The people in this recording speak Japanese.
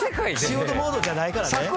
仕事モードじゃないからね。俺分かった！